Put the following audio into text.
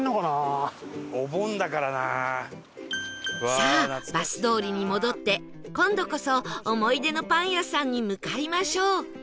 さあバス通りに戻って今度こそ思い出のパン屋さんに向かいましょう